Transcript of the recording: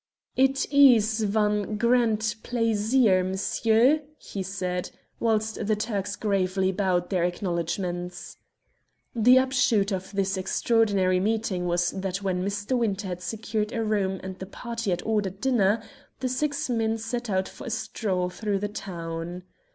"It ees von grand plaisir, m'sieu," he said, whilst the Turks gravely bowed their acknowledgments. The upshot of this extraordinary meeting was that when Mr. Winter had secured a room and the party had ordered dinner, the six men set out for a stroll through the town.